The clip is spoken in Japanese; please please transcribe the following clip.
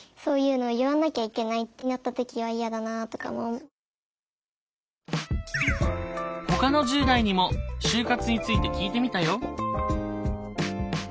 私の中でほかの１０代にも就活について聞いてみたよ。